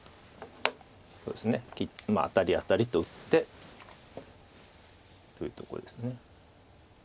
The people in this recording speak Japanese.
そうですねアタリアタリと打ってというところです。